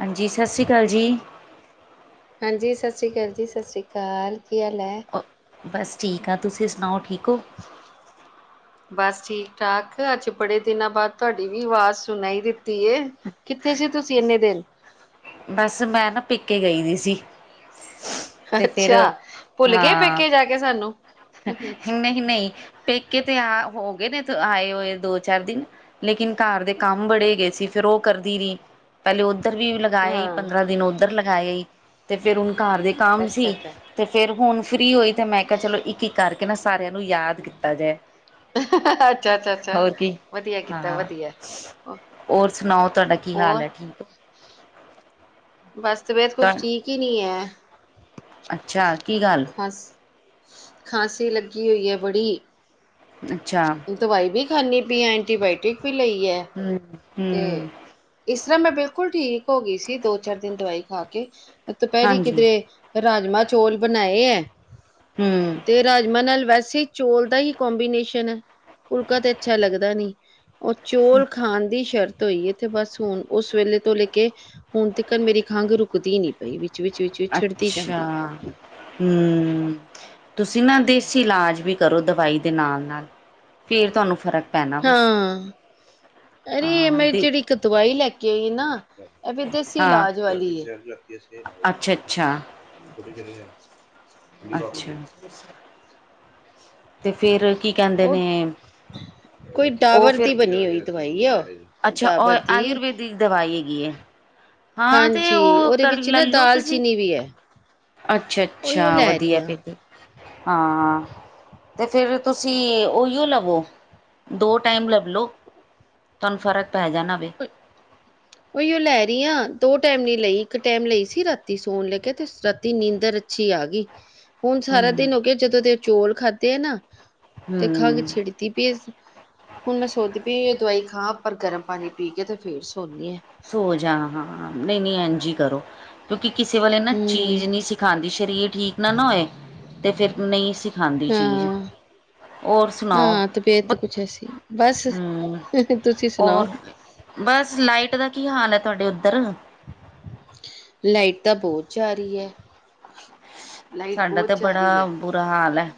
ਹਾਂਜੀ ਈ ਸਸਰੀ ਕਾਲ ਜੀ ਈ ਹਾਂਜੀ ਈ ਸਸਰੀ ਕਾਲ ਜੀ ਈ ਸਸਰੀ ਕਾਲ ਆ ਕੀ ਹਾਲ ਐ ਬਸ ਠੀਕ ਐ ਤੁਸੀਂ ਸੁਣਾਓ ਠੀਕ ਓ ਬਸ ਠੀਕ ਠਾਕ ਅੱਜ ਬੜੇ ਦਿਨਾਂ ਬਾਅਦ ਤੁਹਾਡੀ ਵੀ ਆਵਾਜ਼ ਸੁਣਾਈ ਦਿੱਤੀ ਏ ਕਿੱਥੇ ਸੀ ਤੁਸੀਂ ਇੰਨੇ ਦਿਨ ਬਸ ਮੈਂ ਨਾ ਪੇਕੇ ਗਈ ਹੋਈ ਸੀ ਤੇ ਫਿਰ ਅੱਛਾ ਭੁੱਲ ਗੇ ਹਾਂ ਪੇਕੇ ਜਾ ਕੇ ਸਾਨੂੰ ਨੀ ਪੇਕੇ ਤੇ ਆ ਹੋ ਗਏ ਨੇ ਆਏ ਹੋਏ ਦੋ ਚਾਰ ਦਿਨ ਲੇਕਿਨ ਘਰ ਦੇ ਕੰਮ ਬੜੇ ਗਏ ਸੀ ਫੇਰ ਉਹ ਕਰਦੀ ਰਹੀ ਪਹਿਲੇ ਉੱਧਰ ਵੀ ਲਾ ਆਈ ਹਾਂ ਪੰਦਰਾਂ ਦਿਨ ਉੱਧਰ ਲਗਾਏ ਹੀ ਤੇ ਫੇਰ ਹੁਣ ਘਰ ਦੇ ਕੰਮ ਅੱਛਾ ਸੀ। ਅੱਛਾ ਤੇ ਫੇਰ ਹੁਣ ਫ੍ਰਰੀ ਹੋਈ ਤੇ ਮੈਂ ਕਿਹਾ ਚਲੋ ਇੱਕ ਇੱਕ ਕਰਕੇ ਨਾ ਸਾਰਿਆਂ ਨੂੰ ਯਾਦ ਕੀਤਾ ਜਾਏ। ਅੱਛਾ ਆ ਅੱਛਾ ਆ ਅੱਛਾ ਆ ਹੋਰ ਕੀ ਵਧੀਆ ਕੀਤਾ ਹਾਂ ਵਧੀਆ ਹੋਰ ਸੁਣਾਓ ਤੁਹਾਡਾ ਕੀ ਹਾਲ ਹੋਰ ਹੈ ਠੀਕ ਹੋ ਬਸਤਬਅਤ ਕੁਛ ਹੋ? ਠੀਕ ਹੀ ਨਹੀਂ ਐ ਅੱਛਾ ਕੀ ਗੱਲ ਖਾਂਸੀ ਲੱਗੀ ਹੋਈ ਏ ਬੜੀ ਦੁਛਾ ਦਵਾਈ ਵੀ ਖਾਂਦੀ ਪਈ। ਐਂਟੀਬਾਇਓਟਿਕ ਵੀ ਲਈ ਹੈ। ਹਮ ਹਮਮ ਤੇ ਇਸ ਤਰ੍ਹਾਂ ਮੈਂ ਬਿਲਕੁਲ ਠੀਕ ਹੋ ਗੀ ਸੀ ਦੋ ਚਾਰ ਦਿਨ ਦਵਾਈ ਖਾ ਕੇ ਏ ਦੁਪਹਿਰੀ ਹਾਂਜੀ ਕਿਧਰੇ ਏ ਰਾਜਮਾ ਆ ਚੌਲ ਬਣਾਏ ਐ ਹੂੰ ਤੇ ਏ ਰਾਜਮਾਂ ਨਾ ਵੈਸੇ ਈ ਚੋਲ ਦਾ ਹੀ ਕੋਂਬੀਨੇਸ਼ਨ ਐ ਫੁਲਕਾ ਤੇ ਅੱਛਾ ਲੱਗਦਾ ਨੀ ਈ ਉਹ ਚੋਲ ਖਾਣ ਦੀ ਈ ਫੇਰਤ ਹੋਈ ਤੇ ਬਸ ਹੁਣ ਉਸ ਵੇਲੇ ਤੋਂ ਲੈ ਕੇ ਹੁਣ ਤਕ ਮੇਰੀ ਖੰਘ ਰੁਕਦੀ ਨੀ ਪਈ ਵੀ ਈ ਵਿੱਚ ਵਿੱਚ ਵਿੱਚ ਛਿੜਦੀ ਅੱਛਾ ਜਾਂਦੀ ਐ ਹੂੰ ਤੁਸੀਂ ਨਾ ਦੇਸੀ ਇਲਾਜ ਵੀ ਈ ਕਰੋ ਦਵਾਈ ਦੇ ਨਾਲ ਆ ਨਾਲ ਆ ਫੇਰ ਤੁਹਾਨੂੰ ਫ਼ਰਕ ਆ ਹਾਂ ਆ ਅਰੇ ਏ ਹਾਂ ਮੈਂ ਦੇ ਜਿਹੜੀ ਇੱਕ ਦਵਾਈ ਲੈ ਕੇ ਆਈ ਨਾ ਇਹ ਵੀ ਦੇਸੀ ਹਾਂ ਇਲਾਜ ਵਾਲੀ ਏ ਅੱਛਾ ਅੱਛਾ [inaudible] ਅੱਛਾ ਆ ਕੀ ਕਹਿੰਦੇ ਉਹ ਨੇ ਕੋਈ ਉਹ ਡਾਵਰ ਫਿਰ ਦੀ ਬਣੀ ਹੋਈ ਦਵਾਈ ਆ ਉਹ ਵੀ ਅੱਛਾ ਔ ਆਯੁਰਵੈਦਿਕ ਦਵਾਈ ਹੈਗੀ ਐ ਹਾਂ ਤੇ ਹਾਂਜੀ ਉਹ ਉਹਦੇ ਕਰ ਵਿੱਚ ਨਾ ਲੈਲੋ ਦਾਲ ਤੁਸੀਂ ਈ ਚੀਨੀ ਵੀ ਹੈ ਅੱਛਾ ਅੱਛਾ ਉਹੀਓ ਆ ਲੈ ਰਹੀ ਵਧੀਆ ਫੇਰ ਤੇ ਏ ਹਾਂ ਆ ਤੇ ਫਿਰ ਤੁਸੀਂ ਈ ਉਹੀਓ ਲਵੋ ਦੋ ਟਾਈਮ ਲੈਬ ਲਓ ਤਾਨੂੰ ਫ਼ਰਕ ਪੈ ਜਾਣਾ ਵੇ ਏ [inaudible] ਉਹੀ ਉਹ ਲੈ ਰਹੀ ਆਂ ਦੋ ਟਾਈਮ ਨੀ ਲਈ ਇੱਕ ਟਾਈਮ ਲਈ ਸੀ ਰਾਤੀ ਸੌਣ ਲੱਗੇ ਤੇ ਰਾਤੀ ਨੀਂਦਰ ਅੱਛੀ ਆ ਗਈ। [inaudible] ਹੁਣ ਸਾਰਾ ਹੂੰ। ਦਿਨ ਹੋ ਗਿਆ ਜਦੋਂ ਦੇ ਉਹ ਚੌਲ ਖਾਧੇ ਐ ਨਾ ਤੇ ਖੰਗ ਹੂੰ ਛਿੜ ਏ ਪੀ ਐੱਸ, ਹੁਣ ਮੈਂ ਸੋਚਦੀ ਪ ਇਹ ਦਵਾਈ ਖਾਂ ਪਰ ਗਰਮ ਪਾਣੀ ਪੀ ਕੇ ਤਾਂ ਫਿਰ ਸੋਨੀ ਹਾਂ। ਸੋ ਜਾ ਹਾਂ ਨਹੀਂ -ਨਹੀਂ ਇੰਝ ਹੀ ਕਰੋ। ਕਿਉਂਕਿ ਕਿਸੇ ਵੇਲੇ ਨਾ ਹੂੰ ਚੀਜ਼ ਨਹੀਂ ਸੀ ਖਾਂਦੀ। ਸਰੀਰ ਠੀਕ ਨਾ ਨਾ ਹੋਏ। ਤੇ ਫਿਰ ਨਹੀਂ ਸੀ ਖਾਂਦੀ ਚੀਜ਼ ਹਾਂ ਹੋਰ ਸੁਣਾਓ? ਹਾਂ ਤਬੀਅਤ ਕੁਛ ਐਸੀ ਬਸ ਹੂ ਤੁਸੀਂ ਸੁਣਾਓ ਹੋਰ ਬਸ ਲਾਈਟ ਦਾ ਕੀ ਹਾਲ ਹੈ ਤੁਹਾਡੇ ਉੱਧਰ? ਲਾਈਟ ਤਾਂ ਬਹੁਤ ਜਾ ਰਹੀ ਹੈ। ਲਾਈਟ ਸਾਡਾ ਤੇ ਬਹੁਤ ਜਾ ਰਹੀ ਬੜਾ ਹੈ ਬੁਰਾ ਹਾਲ ਹੈ।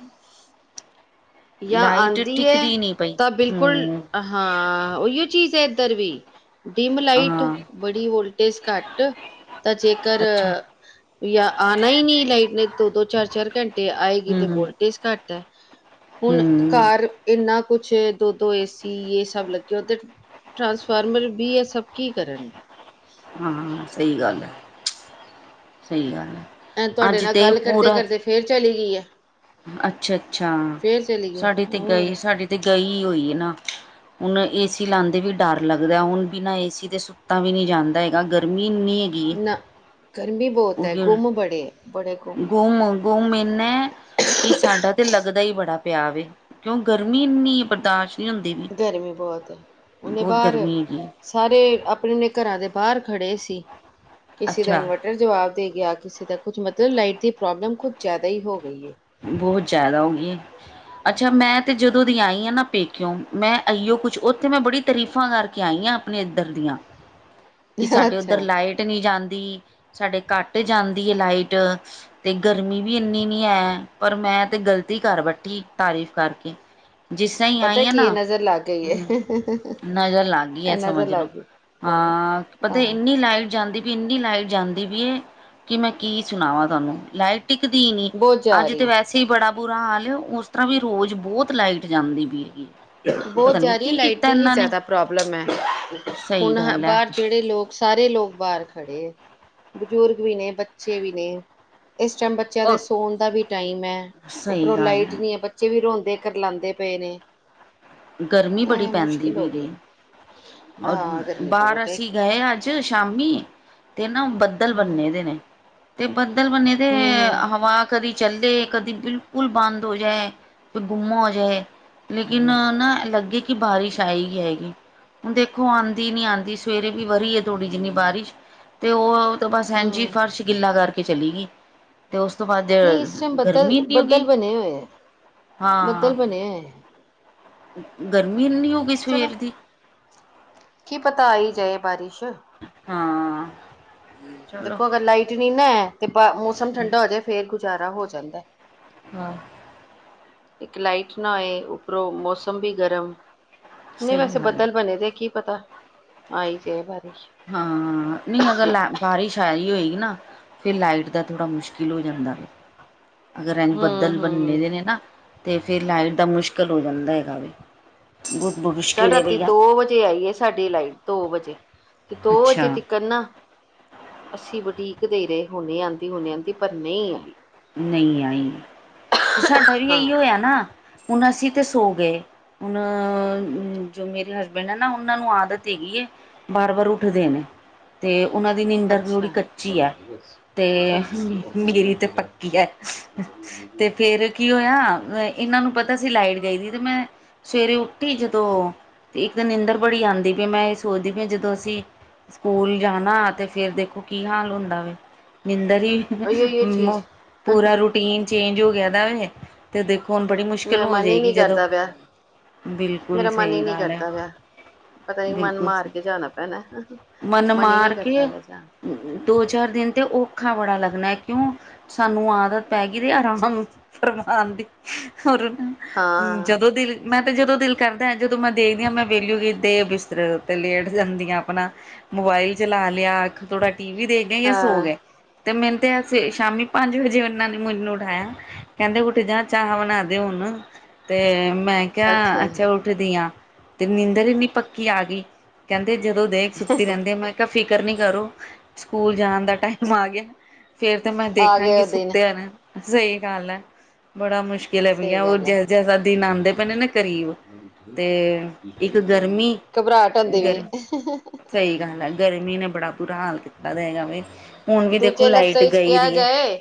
ਜਾਂ ਲਾਇਟ ਆਂਦੀ ਹੈ ਟਿਕਦੀ ਈ ਨੀਂ ਪਈ, ਤਾਂ ਬਿਲਕੁਲ ਹੂ ਹਾਂ ਉਹੀਓ ਚੀਜ਼ ਹੈ ਏਧਰ ਵੀ ਡਿਮ- ਲਾਈਟ, ਹਾਂ ਬੜੀ ਵੋਲਟੇਜ ਘੱਟ ਤਾਂ ਜੇਕਰ ਅੱਛਾ ਜਾਂ ਆਉਣਾ ਹੀ ਨਹੀਂ ਲਾਈਟ ਨੇ ਦੋ -ਦੋ ਚਾਰ- ਚਾਰ ਘੰਟੇ ਆਏਗੀ ਤੇ ਹੂੰ ਵੋਲਟੇਜ ਘੱਟ ਹੈ। ਹੁਣ ਹੂੰ। ਘਰ ਇੰਨਾ ਕੁਛ ਦੋ -ਦੋ ਏਸੀ ਇਹ ਸਭ ਲੱਗੇਓ ਤੇ ਟਰਾਂਸਫਾਰਮਰ ਵੀ, ਹੈ ਸਭ ਕੀ ਕਰਨਗੇ। ਹਾਂ ਹਾਂ ਸਹੀ ਗੱਲ ਹੈ, ਸਹੀ ਗੱਲ ਹੈ। ਤੁਹਾਡੇ ਅੱਜ ਨਾਲ ਤੇ ਗੱਲ ਕਰਦੇ ਪੂਰਾ ਕਰਦੇ ਫੇਰ ਚਲੀ ਗਈ ਏ। ਅੱਛਾ- ਅੱਛਾ ਗਈ ਸਾਡੀੇ ਤੇ ਗਈ ਹੋਰ ਸਾਡੀ ਤੇ ਗਈ ਹੋਈ ਹੈ ਨਾਂ ਹੁਣ ਏਸੀ ਲਾਂਦੇ ਵੀ ਡਰ ਲੱਗਦਾ ਹੁਣ ਬਿਨਾਂ ਏਸੀ ਦੇ ਸੁ ਸੁਤਾ ਤਾਂ ਵੀ ਨਹੀਂ ਜਾਂਦਾ ਹੈਗਾ ਗਰਮੀ ਇੰਨੀਂ ਏ। ਨਾਂ ਗਰਮੀ ਬਹੁਤ ਹੈ ਗੁੰਮ ਬੜੇ ਐ, ਬੜੇ ਗੁੰਮ ਹੈ। ਗੁੰਮ ਇੰਨਾ ਕਿ ਸਾਡਾ ਤੇ ਲੱਗਦਾ ਹੀ ਬੜਾ ਪਿਆ ਵੇ, ਕਿਉਂ ਗਰਮੀ ਇੰਨੀ ਬਰਦਾਸ਼ ਗਰਮੀ ਬਹੁਤ ਹੈ ਹੁਣ ਨੀਂ ਬਹੁਤ ਬਾਹਰ ਗਰਮੀ ਹੈਗੀ ਹੈ, ਸਾਰੇ ਆਪਣੇ ਘਰਾਂ ਦੇ ਬਾਹਰ ਖੜ੍ਹੇ ਸੀ ਕਿਸੇ ਦਾ ਅੱਛਾ ਇਨਵਰਟ ਇਨਵਰਟਰ ਜਵਾਬ ਦੇ ਗਿਆ, ਕਿਸੇ ਦਾ ਕੁੱਝ ਮਤਲਬ ਲਾਈਟ ਦੀ ਪ੍ਰੋਬਲਮ ਕੁੱਝ ਜ਼ਿਆਦਾ ਹੀ ਹੋ ਗਈ ਹੈ। ਬਹੁਤ ਜ਼ਿਆਦਾ ਹੋ ਗਈ ਏ। ਅੱਛਾ ਮੈਂ ਤਾਂ ਜਦੋਂ ਦੀ ਆਈ ਹਾਂ ਨਾ ਪੇਕਿਉਂ, ਮੈਂ ਆਈਓ ਕੁਛ ਉੱਥੇ ਮੈਂ ਬੜੀ ਤਾਰੀਫਾਂ ਕਰਕੇ ਆਈ ਹਾਂ। ਆਪਣੇ ਇੱਧਰ ਦੀਆਂ, ਕਿ ਹੈ ਸਾਡੇ ਉੱਧਰ ਅੱਛਾ ਲਾਈਟ ਤੇ ਨਹੀਂ ਜਾਂਦੀ, ਸਾਡੇ ਘੱਟ ਜਾਂਦੀ ਹੈ ਲਾਈਟ ਤੇ ਗਰਮੀ ਵੀ ਇੰਨੀ ਨਹੀਂ ਹੈ। ਪਰ ਮੈਂ ਤੇ ਗ਼ਲਤੀ ਕਰ ਬੈਠੀ ਤਾਰੀਫ਼ ਕਰਕੇ। ਜਿਸ ਤਰ੍ਹਾਂ ਹੀ ਪਤਾ ਆਈ ਆ ਕੀ ਇਹ ਨਾਂ, ਨਜ਼ਰ ਲੱਗ ਗਈ ਹੈ ਹੂ ਇਹ ਨਜ਼ਰ ਲੱਗ ਗਈ ਆ ਨਜ਼ਰ ਸਮਝ ਲੱਗ ਲੋ। ਗਈ ਹਾਂ ਪਤਾ ਹਾਂ ਇੰਨੀ ਲਾਈਟ ਜਾਂਦੀ ਵੀ ਇੰਨੀ ਲਾਈਟ ਜਾਂਦੀ ਵੀ ਹੈ ਕਿ ਮੈਂ ਕੀ ਸੁਣਾਵਾਾਂ ਤੁਹਾਨੂੰ ਲਾਈਟ ਟਿਕਦੀ ਈ ਨੀ। ਬਹੁਤ ਜਾ ਅੱਜ ਤੇ ਰਹੀ ਹੈ ਵੈਸੇ ਹੀ ਬੜਾ ਬੁਰਾ ਹਾਲ ਏ ਉਸ ਤਰ੍ਹਾਂ ਵੀ ਰੋਜ਼ ਬਹੁਤ ਲਾਈਟ ਜਾਂਦੀ ਪਈ ਹੈਗੀ। ਪਤਾ ਬਹੁਤ ਨੀ ਜ਼ਾਦੀ ਕੀ ਲਾਈਟ ਕੀਤਾ ਦੀ ਹੀ ਇਹਨਾਂ ਨੇ ਜ਼ਿਆਦਾ ਪ੍ਰੋਬਲਮ ਹੈ, ਸਹੀ ਹੁਣ ਗੱਲ ਐ। ਬਾਹਰ ਜਿਹੜੇ ਲੋਕ ਸਾਰੇ ਲੋਕ ਬਾਹਰ ਖੜੇ ਹੈ। ਬਜ਼ੁਰਗ ਵੀ ਨੇ, ਬੱਚੇ ਵੀ ਨੇ ਇਸ ਟਾਈਮ ਬਸ ਜਦ ਔਰ ਸੌਣ ਦਾ ਵੀ ਟਾਈਮ ਹੈ। ਸਹੀ ਉੱਪਰੋਂ ਗੱਲ ਲਾਈਟ ਨੀਂ ਹੈ। ਐ ਬੱਚੇ ਵੀ ਰੋਂਦੇ ਕੁਰਲਾਉਂਦੇ ਪਏ ਨੇ। ਗਰਮੀ ਬੜੀ ਇਹ ਪੈਂਦੀ ਮੁਸ਼ਕਿਲ ਪਈ ਹੋ ਗਈ ਏ, ਔਰ ਹਾਂ ਗਰਮੀ ਬਾਹਰ ਬਹੁਤ ਹੈ ਅਸੀਂ ਇੱਕ ਗਏ ਅ ਜਦੋਂ ਸ਼ਾਮੀ ਤੇ ਨਾ ਬੱਦਲ ਹਮ ਬੰਨੇ ਦੇ ਨੇ। ਤੇ ਬੱਦਲ ਬੰਨੇ ਦੇ ਹਮ ਹਮ ਹਵਾ ਕਦੀ ਚੱਲੇ ਕਦੀ ਬਿਲਕੁਲ ਬੰਦ ਹੋ ਜਾਏ। ਗੁੰਮ ਹੋ ਜਾਏ ਲੇਕਿਨ ਨਾ ਲੱਗੇ ਕਿ ਬਾਰਿਸ਼ ਆਏ ਗਈ ਆਏ ਗਈ ਹੈਗੀ। ਦੇਖੋ ਆਂਦੀ ਨਹੀਂ ਆਂਦੀ ਸਵੇਰੇ ਵੀ ਵਰੇਰੀ ਆ ਥੋੜੀ ਜਿਨੀ ਬਾਰਿਸ਼ ਤੇ ਉਹ ਤੋ ਬਸ ਐਜੀ ਹਮ ਫਰਸ਼ ਗਿੱਲਾ ਕਰਕੇ ਚਲੀ ਗਈ ਤੇ ਉਸ ਤੋਂ ਬਾਅਦ ਨਹੀਂ ਇਸ ਟਾਈਮ ਗਰਮੀ ਬੱਦਲ ਇਨੀ ਹੋ ਬੱਦਲ ਗਈ ਹਾਂ ਐ ਗਰਮੀ ਇੰਨੀ ਹੋ ਗਈ ਚਲੋ ਸਵੇਰ ਦੀ ਕੀ ਪਤਾ ਆਈ ਜਾਏ ਬਾਰਿਸ਼ ਹਾਂ ਚਲੋ ਦੇਖੋ ਅਗਰ ਲਾਈਟ ਨੀ ਨਾਹੈ ਤੇ ਮੌਸਮ ਠੰਡਾ ਹੋ ਜਾਵੇ ਫੇਰ ਗੁਜ਼ਾਰਾ ਹੋ ਜਾਂਦਾ ਹਾਂ ਇੱਕ ਲਾਈਟ ਨਾ ਹੋਏ ਉਪਰੋਂ ਮੌਸਮ ਵੀ ਗਰਮ ਨਹੀਂ ਸਹੀ ਵੈਸੇ ਗੱਲ ਹੈ ਬੱਦਲ ਬਣੇ ਦੇ ਕੀ ਪਤਾ ਆਈ ਜੇ ਬਾਰਿਸ਼ ਹਾਂ ਨਹੀਂ ਅਗਰ ਲੈ ਬਾਰਿਸ਼ ਆਈ ਹੋਏਗੀ ਨਾ ਫਿਰ ਲਾਈਟ ਦਾ ਥੋੜ੍ਹਾ ਮੁਸ਼ਕਿਲ ਹੋ ਜਾਂਦਾ ਵ ਅਗਰ ਰੰਜ ਹੂੰ ਬੱਦਲ ਬੰਨੇ ਦੇ ਹੂੰ ਨੇ ਨਾ ਤੇ ਫਿਰ ਲਾਈਟ ਦਾ ਮੁਸ਼ਕਿਲ ਹੋ ਜਾਂਦਾ ਹੈਗਾ ਵੇ ਗੁਡ ਬੋਵਿਸ਼ ਕੱਲ ਰਾਤੀ ਦੋ ਵਜੇ ਆਈਏ ਸਾਡੀ ਲਾਈਟ ਦੋ ਵਜੇ ਤੇ ਦੋ ਵਜੇ ਅੱਛਾ ਤਿਕਣ ਨ ਅਸੀਂ ਵਡੀਕ ਦੇ ਰਹੇ ਹੁਣੇ ਆਂਦੀ ਹੁਣੇ ਆਉਂਦੀ ਪਰ ਨਹੀਂ ਆਈ ਨਹੀਂ ਆਈ ਤੇ ਸਾਡਾ ਵੀ ਇਹੀ ਹਾਂ ਹੋਇਆ ਨਾ ਹੁਣ ਅਸੀਂ ਤੇ ਸੋ ਗਏ ਹੁਣ ਜੋ ਮੇਰੇ ਹਸਬੈਂਡ ਹੈ ਨਾ ਉਹਨਾਂ ਨੂੰ ਆਦਤ ਹੈਗੀ ਹੈ ਬਾਰ- ਵਾਰ ਉੱਠਦੇ ਨੇ ਤੇ ਉਹਨਾਂ ਦੀ ਨਿੰਂਦਰ ਥੋੜੀ ਅੱਛਾ ਕੱਚੀ ਹੈ ਉਹੀਓ ਤੇ ਮੇਰੀ ਤੇ ਪ ਤੇ ਫੇਰ ਕੀ ਹੋਇਆ ਇਹਨਾਂ ਨੂੰ ਪਤਾ ਸੀ ਲਾਈਟ ਗਈ ਸੀ ਤੇ ਮੈਂ ਸਵੇਰੇ ਉੱਠੀ ਜਦੋਂ ਤੇ ਇੱਕ ਦਿਨ ਨਿੰਦਰ ਬੜੀ ਆਉਂਦੀ ਪਈ ਮੈਂ ਇਹ ਸੋਚਦੀ ਪਈ ਜਦੋਂ ਅਸੀਂ ਸਕੂਲ ਜਾਣਾ ਤੇ ਫੇਰ ਦੇਖੋ ਕੀ ਹਾਲ ਹੁੰਦਾ ਵ ਨਿੰਦਰ ਹੀ ਅਹੀ ਆਹੀ ਇਹ ਚੀਜ਼ ਪੂਰਾ ਰੂਟੀਨ ਚੇਂਜ ਹੋ ਗਿਆ ਦਾ ਤੇ ਦੇਖੋ ਹੁਣ ਬੜੀ ਮੁਸ਼ਕਿਲ ਮੇਰਾ ਹੋ ਮਨ ਹੀ ਜਾਏਗੀ ਨਹੀਂ ਜਦੋਂ ਕਰਦਾ ਪਿਆ ਬਿਲਕੁਲ ਮੇਰਾ ਮਨ ਹੀ ਸਹੀ ਨਹੀਂ ਗੱਲ ਹੈ ਕਰਦਾ ਪਿਆ ਪਤਾ ਨੀ ਮਨ ਬਿਲਕੁਲ ਮਾਰ ਸਹੀ ਕੇ ਜਾਣਾ ਪੈਣਾ ਮਨ ਹੀ ਨਹੀ ਮਾਰ ਕਰਦਾ ਕੇ ਪਿਆ ਜਾਣ ਨੂੰ ਦੋ ਚਾਰ ਦਿਨ ਤੇ ਔਖਾ ਬੜਾ ਲੱਗਣਾ ਕਿਉਂ ਸਾਨੂੰ ਆਦਤ ਪੈ ਗਈ ਤੇ ਆਰਾਮ ਫਾਰਵਾਣ ਦੀ ਹੋਰ ਹਮ ਹਾਂ ਜਦੋਂ ਦੀ ਮੈਂ ਤੇ ਜਦੋਂ ਦਿਲ ਕਰਦਾ ਜਦੋਂ ਮੈਂ ਦੇਖਦੀ ਹਾਂ ਮੈਂ ਵੇਹਲੀ ਕਿ ਦੇ ਬਿਸਤਰੇ ਉੱਤੇ ਲੇਟ ਜਾਂਦੀ ਹਾਂ ਆਪਣਾ ਮੋਬਾਇਲ ਚਲਾ ਲਿਆ ਥੋੜਾ ਟੀ ਵੀ ਦੇਖ ਗਏ ਜਾਂ ਸੋ ਹਾਂ ਗਏ ਤੇ ਮੈਨੂੰ ਤੇ ਸਵੇਰੇ ਸ਼ਾਮੀ ਪੰਜ ਵਜੇ ਇਹਨਾਂ ਨੇ ਮੈਨੂੰ ਉਠਾਇਆ ਕਹਿੰਦੇ ਉੱਠ ਜਾ ਚਾਹ ਬਣਾ ਦੇ ਹੁਣ ਤੇ ਮੈਂ ਕਿਹਾ ਅੱਛਾ ਉੱਠਦੀ ਹਾਂ ਤੇ ਨੀਂਦਰ ਇੰਨੀ ਪੱਕੀ ਆ ਗਈ ਕਹਿੰਦੇ ਜਦੋਂ ਦੇਖ ਸੁੱਤੀ ਰਹਿੰਦੀ ਆ ਮੈਂ ਕਿਹਾ ਫਿਕਰ ਨਹੀਂ ਕਰੋ ਸਕੂਲ ਜਾਣ ਦਾ ਟਾਈਮ ਆ ਗਿਆ ਫਿਰ ਤਾਂ ਮੈਂ ਆ ਗਏ ਖਾਂਗੀ ਉਹ ਦਿਨ ਸੁਤਿਆ ਨੇ ਸਹੀ ਗੱਲ ਬੜਾ ਮੁਸ਼ਕਿਲ ਲ ਸਹੀ ਪਿਆ ਉਹ ਗੱਲ ਹੈ ਜਿਸ ਜੈਸਦਾ ਦਿਨ ਆਂਦੇ ਪੈਣੇ ਨਾ ਕਰੀਬ ਤੇ ਇੱਕ ਗਰਮੀ ਘਬਰਾਹਟ ਹੁੰਦੀ ਵੀ ਗਰ ਹੈ ਸਹੀ ਗ ਗਰਮੀ ਨੇ ਬੜਾ ਬੁਰਾ ਹਾਲ ਕੀਤਾ ਦਾ ਹੈਗਾ ਵ ਦੂਜੇ ਲਫ਼ਜ ਚ ਕੇ ਆ ਜਾਏ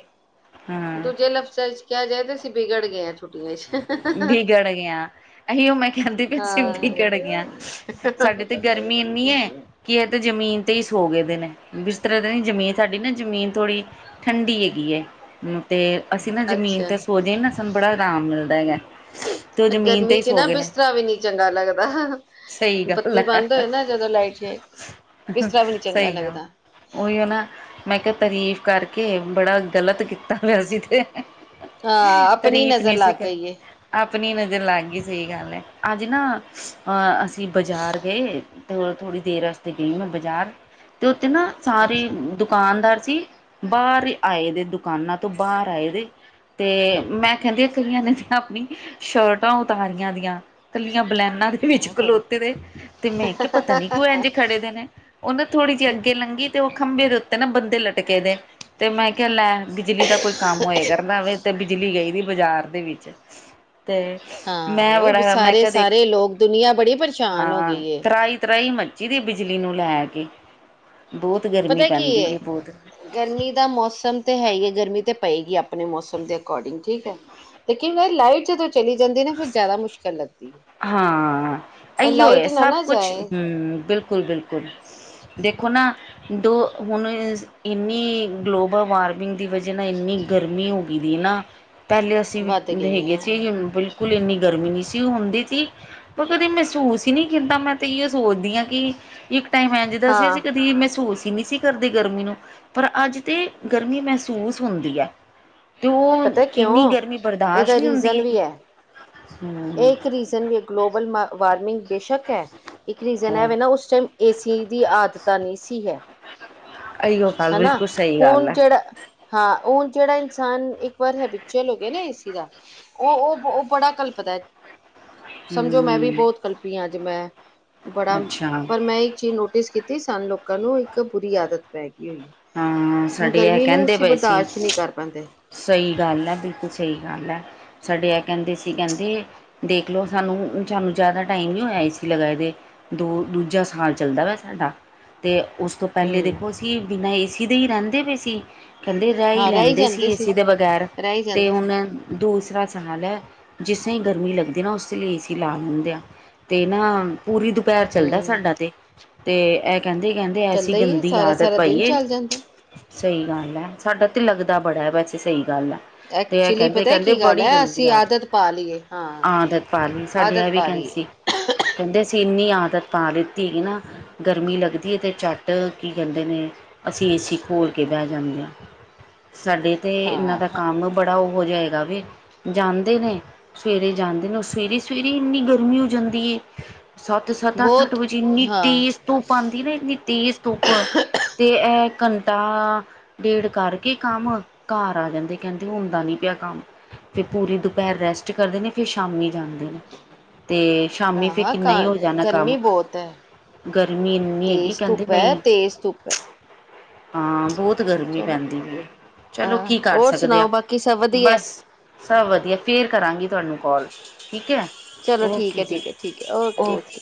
ਹਾਂ ਦੂਜੇ ਲਫ਼ਜ਼ਾਂ ਇਚ ਕਿਆ ਜਾਏ ਤੇ ਅਸੀਂ ਬਿਗੜ ਗਏ ਆ ਛੁਟੀਆਂ ਏਚ। ਬਿਗੜ ਗੇ ਆਂ। ਅਹੀਓ ਮੈਂ ਕੈੰਦੀ ਪੀ ਸੀ ਬਿਗੜ ਗੇ ਹਾਂ ਆਂ। ਸਾਡੇ ਤੇ ਗਰਮੀ ਇੰਨੀ ਏ ਕੀ ਏਹ ਤੇ ਜ਼ਮੀਨ ਤੇ ਈ ਸੋ ਗਏ ਦੇ ਨੇ। ਬਿਸਤਰੇ ਦੇ ਨੀ, ਜ਼ਮੀਨ ਸਾਡੀ ਨਾ ਜ਼ਮੀਨ ਥੋੜ੍ਹੀ ਠੰਡੀ ਹੈਗੀ ਏ। ਹੂੰ। ਤੇ ਅਸੀਂ ਨਾ ਜ਼ਮੀਨ ਅੱਛਾ ਤੇ ਸੋਜੇ ਨਾ ਸਾਨੂੰ ਬੜਾ ਰਾਮ ਮਿਲਦਾ ਹੈਗੈ। ਐ ਗਰਮੀ ਚ ਨਾ ਬਿਸਤਰਾ ਵੀ ਨੀ ਚੰਗਾ ਲੱਗਦਾ। ਸਹੀ ਗੱਲ ਬੱਤੀ ਹੈ ਬੰਦ ਹੋਏ ਨਾ ਜਦੋਂ ਲਾਈਟ ਜਾਏ, ਬਿਸਤਰਾ ਵੀ ਨੀ ਚੰਗਾ ਲੱਗਦਾ। ਓਈਓ ਨਾ, ਮੈਂ ਕਿਆ ਤਾਰੀਫ਼ ਕਰਕੇ ਬੜਾ ਗ਼ਲਤ ਕੀਤਾ ਵੇ ਅਸੀਂ ਤੇ। ਹਾਂ ਆਪਣੀ ਤਰੀਫ਼ ਨੀ ਨਜ਼ਰ ਸੀ ਲੱਗ ਕਰ ਗਈ ਏ ਆਪਣੀ ਨਜ਼ਰ ਲੱਗ ਗੀ, ਸਹੀ ਗੱਲ ਏ‌ ਅੱਜ ਨਾ ਅ ਅਸੀਂ ਬਾਜ਼ਾਰ ਗਏ ਥੋੜਾ ਥੋੜ੍ਹੀ ਦੇਰ ਆਸਤੇ ਗਈ ਆ ਮੈਂ ਬਾਜ਼ਾਰ ਤੇ ਓਤੇ ਨਾ ਸਾਰੀ ਅੱਛਾ ਦੁ ਕਾਨਦਾਰ ਸੀ ਬਾਰ ਈ ਆਏ ਦੇ ਦੁਕਾਨਾਂ ਤੋਂ ਬਾਰ ਆਏ ਦੇ। ਤੇ ਮੈਂ ਕੈੰਦੀ ਆ ਕਈਆਂ ਨੇ ਤੇ ਆਪਣੀ ਸ਼ਰਟਾਂ ਉਤਾਰੀਆਂ ਦੀਆਂ। ਕੱਲੀਆਂ ਬਲੈਨਾ ਦੇ ਵਿੱਚ ਮੈਂ ਪੜ੍ਹੀ ਖਲੋਤੇ ਦੇ ਤੇ ਮੈਂ ਕੈ ਪਤਾ ਨੀ ਕਿਉਂ ਐੰਝੇ ਖੜੇ ਦੇ ਨੇ। ਓਹ ਨਾ ਥੋੜੀ ਜਿ ਅੱਗੇ ਲੰਘੀ, ਤੇ ਓਹ ਖੰਭੇ ਦੇ ਉੱਤੇ ਨਾ ਬੰਦੇ ਲਟਕੇ ਦੇ। ਤੇ ਮੈਂ ਕਿਆ ਲੈ ਬਿਜਲੀ ਦਾ ਕੋਈ ਕੰਮ ਹੋਏ ਕਰਦਾ‌ ਵੇ ਤੇ ਬਿਜਲੀ ਗਈ ਦੀ ਏ ਬਾਜ਼ਾਰ ਦੇ ਵਿਚ। ਤੇ ਮੈਂ ਹਾਂ ਬੜਾ ਮੈਂ ਸਾਰੇ ਕਿਹਾ ਦੇਖ ਸਾਰੇ ਲੋਕ ਦੁਨੀਆਂ ਬੜੀ ਪਰੇਸ਼ਾਨ ਹੋ ਹਾਂ, ਗਈ ਏ ਤਰਾਈ-ਤਰਾਈ ਮ ਚੀ ਦੀ ਬਿਜਲੀ ਨੂੰ ਲੈ ਕੇ, ਬੌਤ ਗਰਮੀ ਪਤਾ ਕੀ ਪੈਂਦੀ ਪੀ ਏ ਬੌਤ। ਗਰਮੀ ਦਾ ਮੌਸਮ ਤੇ ਹੈ ਈ ਏ, ਗਰਮੀ ਤੇ ਪਏਗੀ ਅਪਣੇ ਮੌਸਮ ਦੇ ਅਕੋਡਿੰਗ ਠੀਕ ਐ। ਲੇਕਿਨ ਫੇਰ ਲਾਈਟ ਜਦੋਂ ਚਲੀ ਜਾਂਦੀ ਏਨਾ ਫੇਰ ਜੈਦਾ ਮੁਸ਼ਕਿਲ ਲੱਗਦੀ ਏ। ਹਾਂ, ਅਇਓ ਏ ਸਭ ਜਾਏ ਕੁਛ--ਹੂੰ, ਬਿਲਕੁਲ-ਬਿਲਕੁਲ। ਦੇਖੋ ਨਾ ਦੋ ਹੁਣ ਇੰਨੀ ਗਲੋਬਲ ਵਾਰਮਿੰਗ ਦੀ ਵਜ੍ਹਾ ਨਾਲ ਇੰਨੀ ਗਰਮੀ ਹੋਗੀ ਦੀ ਨਾ ਪੈਲੇ ਅਸੀਂ ਵੱਧ ਵੀ ਗਈ ਹੈ ਹੈਗੇ ਹਾਂ ਸੀ ਬਿਲਕੁਲ ਇੰਨੀ ਗਰਮੀ ਨੀ ਸੀ ਹੁੰਦੀ। ਤੀ ਮੈਂ ਕਦੇ ਮੈਸੂਸ ਈ ਨੀ ਕੀਤਾ। ਮੈਂ ਤੇ ਅਈਓ ਸੋਚਦੀ ਆ ਕਿ ਇੱਕ ਟਾਈਮ ਐੈਂਝ ਦਾਂ ਸੀ ਅਸੀ ਹਾਂ ਕਦੀ ਮੈਸੂਸ ਈ ਨੀ ਸੀ ਕਰਦੇ ਗਰਮੀ ਨੂੰ। ਪਰ ਅੱਜ ਤੇ ਗਰਮੀ ਮੈਸੂਸ ਹੁੰਦੀ ਐ। ਤੇ ਓਹ ਪਤਾ ਇੰਨੀ ਕਿਉਂ ਗਰਮੀ ਬਰਦਾਸ਼ ਨੀ ਹੁੰਦੀ ਹੈਗੀ। ਏਹ ਇੱਕ ਹਮ ਰੀਜ਼ਨ ਵੀ ਏ ਗਲੋਬਲ ਵਾਰਮਿੰਗ ਬੇਸ਼ੱਕ ਹੈ, ਇੱਕ ਰੀਜ਼ਨ ਐ ਵੇ ਨਾ ਉਸ ਟੈਮ ਏ ਸੀ ਦੀ ਆਦਤਾਂ ਨੀ ਸੀ ਹੈ। ਇਹੀਓ ਗੱਲ ਹਨਾ, ਬਿਲਕੁਲ ਸਹੀ ਗੱਲ ਹੁਣ ਹੈ। ਜੇੜਾ ਹਾਂ, ਉਣ ਜੇੜਾ ਇਨਸਾਨ ਇੱਕ ਵਾਰ ਹੈਬਿਚਲ ਹੋ ਗਿਆ ਨਾ ਏਸੀ ਦਾ ਓ ਓ ਓਹ ਬੜਾ ਕਲਪਦੈ। ਸਮਝੋ ਮੈਂ ਵੀ ਹਮ ਬੌਤ ਕਲਪੀ ਆਂ ਅੱਜ ਮੈਂ, ਬੜਾ ਅੱਛਾ ਪਰ ਮੈਂ ਇੱਕ ਚੀਜ਼ ਨੋ ਟਿਸ ਕੀਤੀ ਸਾਨੂੰ ਲੋਕਾਂ ਨੂੰ ਇੱਕ ਬੁਰੀ ਆਦਤ ਪੈ ਗੀ ਹੋਈ। ਹਾਂ, ਹੁਣ ਸਾਡੇ ਐਹ ਗਰਮੀ ਨੂੰ ਕੈੰਦੇ ਅਸੀਂ ਪਏ ਸੀ ਬਰਦਾਸ਼ਤ ਨਹੀਂ ਕਰ ਪਾਉਂਦੇ ਸਹੀ ਗੱਲ ਐ, ਬਿਲਕੁਲ ਸਹੀ ਗੱਲ ਐ। ਸਾਡੇ ਐ ਕੈੰਦੇ ਸੀ ਕੈੰਦੇ ਦੇਖਲੋ ਸਾਨੂੰ ਸਾਨੂੰ ਜੈਦਾ ਟਾਈਮ ਨੀ ਹੋਇਆ ਏ ਸੀ ਲਗਾਏ ਦੇ ਦੋ ਦੂਜਾ ਸਾਲ ਚੱਲਦਾ ਪੈ ਸਾਡਾ। ਤੇ ਉਸ ਤੋਂ ਪੈਲੇ ਹਮ ਦੇਖੋ ਅਸੀਂ ਬਿਨਾਂ ਏਸੀ ਦੇ ਈ ਰੈੰਦੇ ਪੇ ਸੀ। ਕੈੰਦੇ ਰੈ ਈ ਹਾਂ ਰਹਿ ਹੀ ਲੈਂਦੇ ਸੀ ਜਾਂਦੇ ਏ ਸੀ ਦੇ ਬਗ਼ੈਰ ਰਹਿ ਹੀ ਤੇ ਜਾਂਦੇ ਸੀ ਹੁਣ ਦੂਸਰਾ ਸਾਲ ਐ, ਜਿਸਰਾ ਈ ਗਰਮੀ ਲੱਗਦੀ ਏਨਾ ਉਸੇ ਲੀ ਏਸੀ ਲਾ ਲਿੰਦੇ ਆ। ਤੇ ਨਾ ਪੂਰੀ ਦੁਪੈਰ ਚੱਲਦੈ ਹਮ ਸਾਡਾ ਤੇ। ਤੇ ਐ ਕੈਂਦੇ ਕੈਂਦੇ ਐਸੀ ਚੱਲਦਾ ਹੀ ਹੈ ਗੰਦੀ ਸਾਰਾ ਆਦਤ ਸਾਰਾ ਦਿਨ ਚੱਲ ਜਾਂਦਾ ਸਈ ਗੱਲ ਐ। ਸਾਡਾ ਤੇ ਲੱਗਦਾ ਬੜਾ ਐ ਵੈਸੇ ਸਈ ਗੱਲ ਐ। ਤੇ ਐ ਐਕਚੁਲੀ ਕੈਂਦੇ ਪਤਾ ਕੇਂਦੇ ਕੀ ਗੱਲ ਬੜੀ ਹੈ ਗੰਦੀ ਅਸੀਂ ਆਦਤ ਪਾ ਲਈਏ ਹਾਂ ਆਦਤ ਪਾ ਲੀ। ਸਾਡੇ ਐ ਆਦਤ ਵੀ ਪਾ ਕੈਂਦੇ ਲਈਏ ਸੀ। ਕੈਂਦੇ ਅਸੀ ਇੰਨੀ ਆਦਤ ਪਾ ਲਿਤੀ ਹੈਗੀ ਨਾ ਗਰਮੀ ਲੱਗਦੀ ਏ ਤੇ ਝੱਟ ਕੀ ਕੇਂਦੇ ਨੇ ਅਸੀ ਏ ਸੀ ਖੋਲ ਕੇ ਬੈ ਜਾਂਨੇ ਆਂ। ਸਾਡੇ ਤੇ ਏਨਾਂ ਹਾਂ ਦਾ ਹਾਂ ਕੰਮ ਬੜਾ ਓਹੋ ਜਾ ਹੈਗਾ ਵੇ, ਜਾਂਦੇ ਨੇ ਸਵੇਰੇ ਜਾਂਦੇ ਨੇ ਓ ਸਵੇਰੇ ਸਵੇਰੇ ਇੰਨੀ ਗਰਮੀ ਹੋ ਜਾਂਦੀ ਏ। ਸੱਤ ਸੱਤ ਅੱਠ ਅੱਠ ਬਹੁਤ ਵਜੇ ਏਨੀ ਹਾਂ ਤੇਜ਼ ਧੁੱਪ ਆਦੀਂ ਏਨਾ ਏਨੀ ਤੇਜ਼ ਧੁੱਪ ਤੇ ਐ ਘੰਟਾ ਡੇਢ ਕਰਕੇ ਕੰਮ ਘਰ ਆ ਜਾਂਦੇ ਕੈਂਦੇ ਹੁੰਦਾ ਨੀ ਪੇਆ ਕੰਮ। ਤੇ ਪੂਰੀ ਦੁਪੈਰ ਰੈਸਟ ਕਰਦੇ ਨੇ ਫੇਰ ਸ਼ਾਮੀ ਜਾਂਦੇ ਨੇ। ਤੇ ਸ਼ਾਮੀ ਫੇਰ ਹਾਂ ਕ ਕਿੰਨਾ ਈ ਹੋ ਜਾਨਾ ਕੰਮ। ਗਰਮੀ ਬਹੁਤ ਹੈ ਗਰਮੀ ਇੰਨੀ ਹੈਗੀ ਤੇਜ਼ ਕੈਂਦੇ ਧੁੱਪ ਹੈ ਨਈ। ਤੇਜ਼ ਧੁੱਪ ਹੈ ਹਾਂ ਬੋਤ ਗਰਮੀ ਚਲੋ ਪੈਂਦੀ ਪੀ ਏ‌। ਚਲੋ ਹਾਂ ਕੀ ਕਰ ਹੋਰ ਸਕਦੇ ਆ ਸੁਣਾਓ ਬਾਕੀ ਸਭ ਵਧੀਆ ਬਸ। ਸਭ ਵਧੀਆ ਫੇਰ ਕਰਾਂਗੀ ਤੁਆਨੂੰ। ਚਲੋ ਠੀਕ ਐ, ਜੀ ਠੀਕ ਐ, ਠੀਕ ਐ। Okay okay.